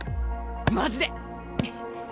マジで。